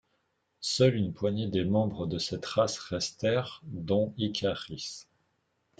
Seule une poignée des membres de cette race restèrent, dont Ikaris.